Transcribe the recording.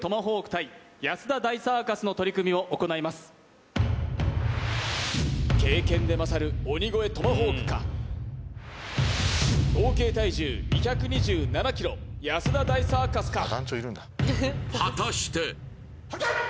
対安田大サーカスの取組を行います経験で勝る鬼越トマホークか合計体重２２７ｋｇ安田大サーカスか果たしてはっけよい！